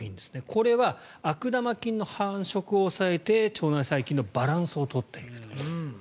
これは悪玉菌の繁殖を抑えて腸内細菌のバランスを取っていくと。